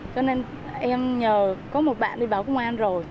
cho nên em nhờ có một bạn đi báo công an rồi